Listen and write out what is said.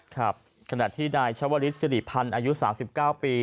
ขณะที่นายชวริสสิริพันธ์อายุ๓๙ปี